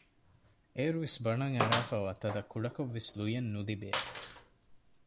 އޭރުވެސް ބަނޑަށް އަރާފައިވާ ތަދަށް ކުޑަކޮށްވެސް ލުޔެއް ނުލިބޭ